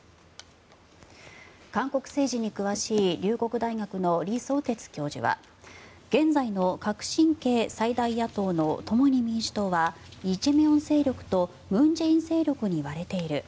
韓国政治に詳しい龍谷大学の李相哲教授は現在の革新系最大野党の共に民主党はイ・ジェミョン勢力と文在寅勢力に割れている。